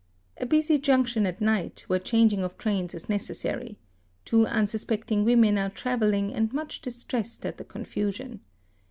A busy junction at night, where changing of trains > is necessary; two unsuspecting women are travelling and much distressed ' at the confusion.